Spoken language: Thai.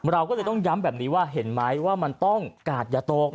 เราก็เลยต้องย้ำแบบนี้ว่าเห็นไหมว่ามันต้องกาดอย่าตก